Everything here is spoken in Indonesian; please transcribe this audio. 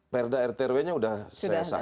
perda rtrw nya sudah saya asahkan